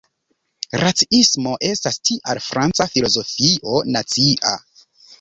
Raciismo estas tial franca filozofio nacia.